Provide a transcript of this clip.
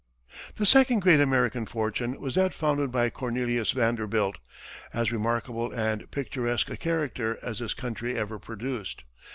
The second great American fortune was that founded by Cornelius Vanderbilt, as remarkable and picturesque a character as this country ever produced.